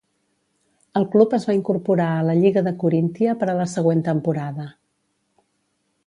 El club es va incorporar a la Lliga de Corintia per a la següent temporada.